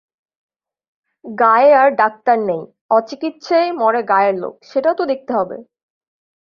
গায়ে আর ডাক্তার নেই, অচিকিচ্ছেয় মরে গায়ের লোক, সেটাও তো দেখতে হবে?